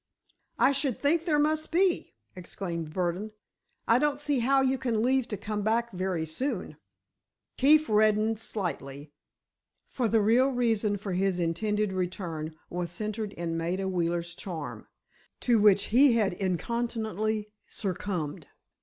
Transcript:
"I should think there must be!" exclaimed Burdon. "I don't see how you can leave to come back very soon." Keefe reddened slightly, for the real reason for his intended return was centred in Maida Wheeler's charm, to which he had incontinently succumbed.